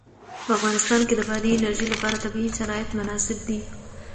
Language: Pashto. په افغانستان کې د بادي انرژي لپاره طبیعي شرایط مناسب دي.